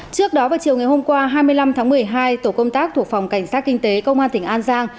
trước đó vào chiều ngày hôm qua hai mươi năm tháng một mươi hai tổ công tác thuộc phòng cảnh sát kinh tế công an tỉnh an giang